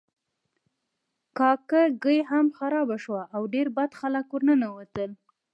کاکه ګي هم خرابه شوه او ډیر بد خلک ورننوتل.